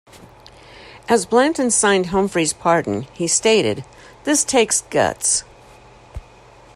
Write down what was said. As Blanton signed Humphreys' pardon, he stated, this takes guts.